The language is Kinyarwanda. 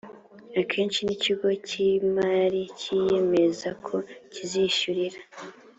akenshi n ikigo cy imari cyiyemezako kizishyurira